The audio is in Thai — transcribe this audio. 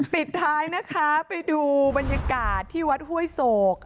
ปิดท้ายนะคะไปดูบรรยากาศที่วัดห้วยโศก